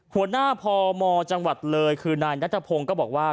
หัวหน้าพมจังหวัดเลยคือนายนัทพงศ์ก็บอกว่า